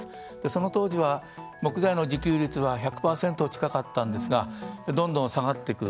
その当時は木材の自給率は１００％近かったわけですがどんどん下がっていく。